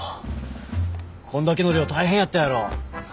こんだけの量大変やったやろ。